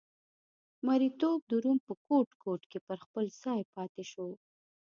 مریتوب د روم په ګوټ ګوټ کې پر خپل ځای پاتې شو